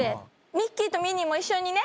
ミッキーとミニーも一緒にね？